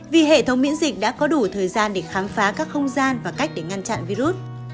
vì hệ thống miễn dịch đã có đủ thời gian để khám phá các không gian và cách để ngăn chặn virus